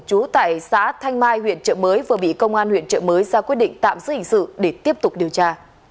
chú tại xã thanh mai huyện trợ mới vừa bị công an huyện trợ mới ra quyết định tạm giữ hình sự để tiếp tục điều tra